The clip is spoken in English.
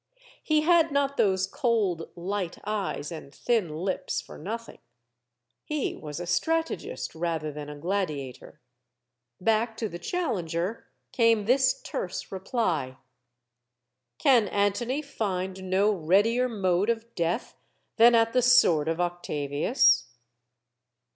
He had not those cold, light eyes and thin lips for nothing. He was a strategist rather than a gladiator. Back to the challenger came this terse reply: 152 STORIES OF THE SUPER WOMEN "Can Antony find no readier mode of death than at the sword of Octavius?"